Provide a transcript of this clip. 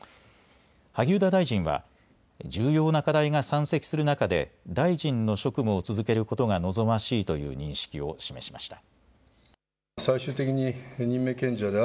萩生田大臣は重要な課題が山積する中で大臣の職務を続けることが望ましいという認識を示しました。